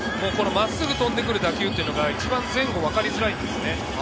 真っすぐ飛んでくる打球っていうのが一番、前後わかりづらいんですよね。